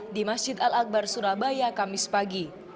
di masjid al akbar surabaya kamis pagi